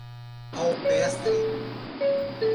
Alpestre